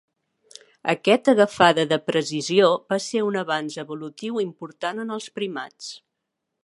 Aquest agafada de precisió va ser un avanç evolutiu important en els primats.